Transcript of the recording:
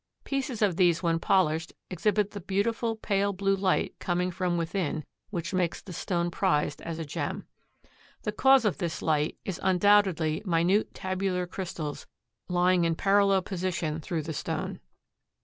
Pieces of these when polished exhibit the beautiful pale blue light coming from within which makes the stone prized as a gem. The cause of this light is undoubtedly minute tabular crystals lying in parallel position through the stone.